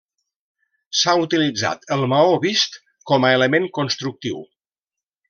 S'ha utilitzat el maó vist com a element constructiu.